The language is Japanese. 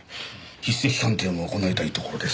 筆跡鑑定も行いたいところですが。